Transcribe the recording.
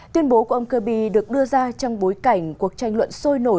tuyên bố của ông kirby được đưa ra trong bối cảnh cuộc tranh luận sôi nổi